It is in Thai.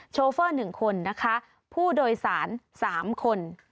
โชเฟอร์๑คนนะคะผู้โดยสาร๓คน